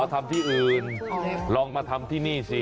ทำที่อื่นลองมาทำที่นี่สิ